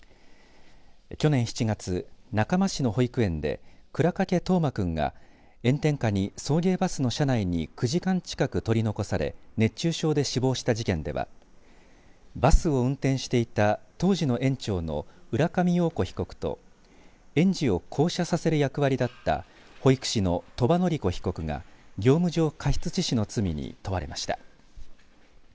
去年７月中間市の保育園で倉掛冬生君が炎天下に送迎バスの車内に９時間近く取り残され熱中症で死亡した事件ではバスを運転していた当時の園長の浦上陽子被告と園児を降車させる役割だった保育士の鳥羽詞子被告が業務上過失致死の罪に問われました。